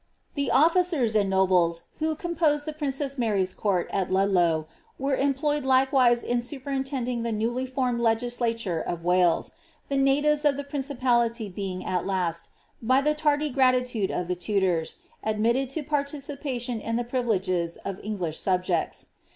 The officers and nobles, who composed the princess Mary^s court it Ludlow, were employed likewise in superintending the newly fonned legislature of Wales, the natives of the principality being at last, by the tardy gratitude of the Tudors, admitted to participation in the priviJepes of English subjects.